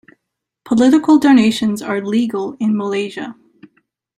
Political donations are legal in Malaysia.